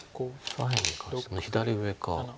左辺か左上か。